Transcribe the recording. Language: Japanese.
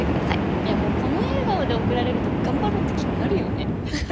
いやもうこの笑顔で送られると頑張ろうって気になるよね。